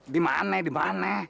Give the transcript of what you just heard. di mana di mana